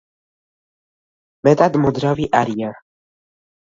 მეტად მოძრავი არიან.